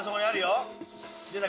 出た！